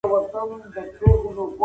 زه به سبا د انځورونو رسم وکړم.